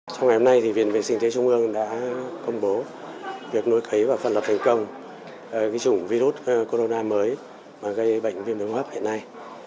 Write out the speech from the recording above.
trong ngày hôm nay viện vệ sinh dịch tễ trung ương đã công bố việc nuôi cấy và phân lập thành công chủng virus corona mới gây bệnh viêm ncov hiện nay